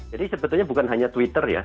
jadi sebetulnya bukan hanya twitter ya